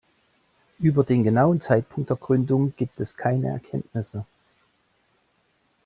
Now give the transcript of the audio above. Über den genauen Zeitpunkt der Gründung gibt es keine Erkenntnisse.